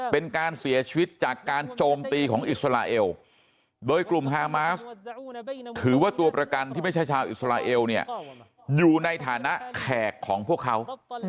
เป็นการเสียชีวิตจากการโจมตีของอิสราเอลโดยกลุ่มฮามาสถือว่าตัวประกันที่ไม่ใช่ชาวอิสราเอลเนี่ยอยู่ในฐานะแขกของพวกเขา